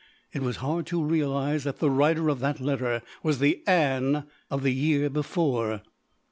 It was hard to realize that the writer of that letter was the Ann of the year before.